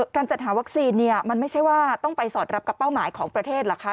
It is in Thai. การจัดหาวัคซีนเนี่ยมันไม่ใช่ว่าต้องไปสอดรับกับเป้าหมายของประเทศเหรอคะ